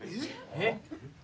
えっ？